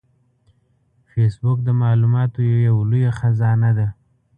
فېسبوک د معلوماتو یو لوی خزانه ده